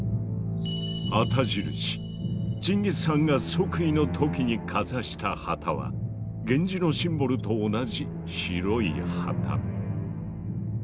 チンギス・ハンが即位の時にかざした旗は源氏のシンボルと同じ白い旗。